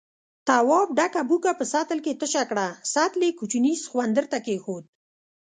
تواب ډکه بوکه په سطل کې تشه کړه، سطل يې کوچني سخوندر ته کېښود.